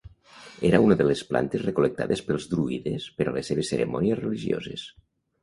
Era una de les plantes recol·lectades pels druides per a les seves cerimònies religioses.